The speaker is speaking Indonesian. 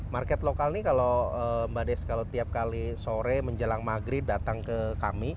market lokal ini kalau mbak des kalau tiap kali sore menjelang maghrib datang ke kami